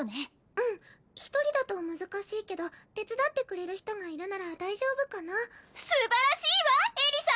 うん一人だと難しいけど手伝ってくれる人がいるなら大丈夫かなすばらしいわエリサ！